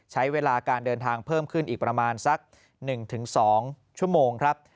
ใช้เวลาการเดินทางเพิ่มขึ้นอีกประมาณสัก๑๒ชั่วโมงครับ